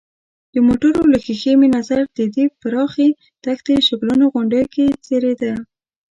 د موټر له ښېښې مې نظر د دې پراخې دښتې شګلنو غونډیو کې څرېده.